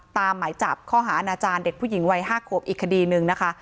หมายจับข้อหาอาณาจารย์เด็กผู้หญิงวัย๕ขวบอีกคดีหนึ่งนะคะ